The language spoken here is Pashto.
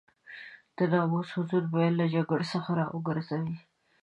د ناموس حضور به يې له جګړو څخه را وګرځوي.